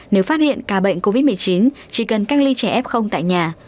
nếu phát hiện ca bệnh covid một mươi chín chỉ cần cách ly trẻ f tại nhà